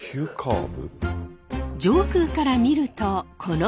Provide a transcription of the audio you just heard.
上空から見るとこのとおり。